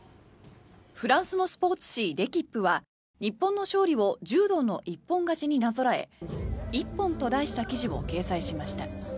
フランスのスポーツ紙レキップは日本の勝利を柔道の一本勝ちになぞらえて「ＩＰＰＯＮ」と題した記事を掲載しました。